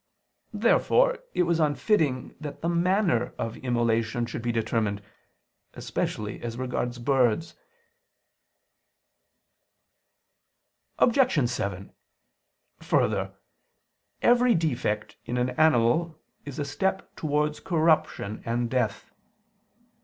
Therefore it was unfitting that the manner of immolation should be determined, especially as regards birds (Lev. 1:15, seqq.). Obj. 7: Further, every defect in an animal is a step towards corruption and death.